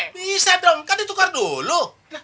bisa dong kan ditukar dulu